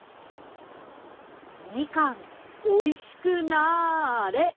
『みかんおいしくなーれ』。